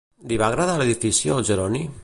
Li va agradar l'edifici al Jeroni?